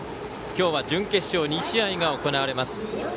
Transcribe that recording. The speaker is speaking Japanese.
今日は準決勝２試合が行われます。